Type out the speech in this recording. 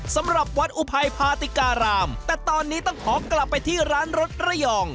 สำหรับวัดอุภัยพาติการามแต่ตอนนี้ต้องขอกลับไปที่ร้านรถระยอง